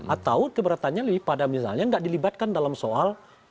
atau keberatannya lebih pada misalnya nggak dilibatkan dalam soal